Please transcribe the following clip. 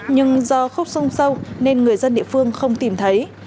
nhưng do khúc sông sâu nên người dân địa phương không tìm thấy